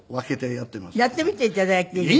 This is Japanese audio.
やってみて頂いていいですか？